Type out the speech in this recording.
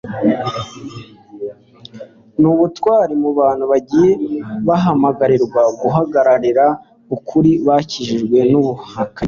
nubutwari mu bantu bagiye bahamagarirwa guhagararira ukuri bakikijwe nubuhakanyi